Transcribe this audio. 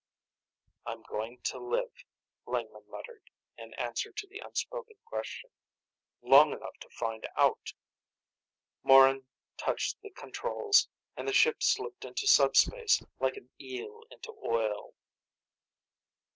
"I'm going to live," Lingman muttered, in answer to the unspoken question. "Long enough to find out." Morran touched the controls, and the ship slipped into sub space like an eel into oil.